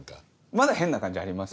まだ変な感じあります？